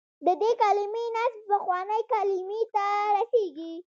د دې کلمې نسب پخوانۍ کلمې ته رسېږي.